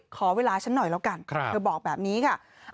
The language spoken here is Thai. ขอเวลาฉันหน่อยแล้วกันเธอบอกแบบนี้ค่ะ